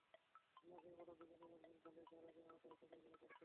লাফিয়ে পড়া দুজনের একজন পালিয়েছেন, আরেকজন আহত অবস্থায় পুলিশের হাতে আটক আছেন।